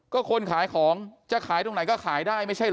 ก็คนขายของจะขายตรงไหนก็ขายได้ไม่ใช่เหรอ